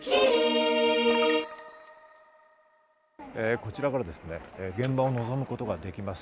こちらから現場を望むことができます。